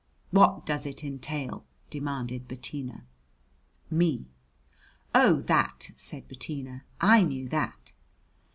"What does it entail?" demanded Bettina. "Me." "Oh, that!" said Bettina. "I knew that."